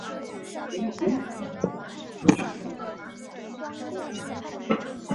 同志弯贝介为弯贝介科弯贝介属下的一个种。